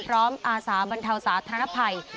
พร้อมอาสามันเธอวสาวธนรภัย